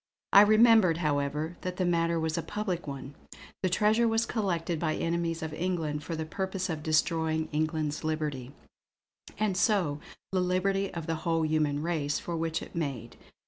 I remembered, however, that the matter was a public one. The treasure was collected by enemies of England for the purpose of destroying England's liberty, and so the liberty of the whole human race for which it made.